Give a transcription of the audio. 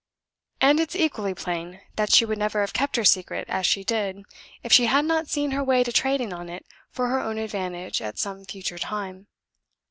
And it's equally plain that she would never have kept her secret as she did if she had not seen her way to trading on it for her own advantage at some future time.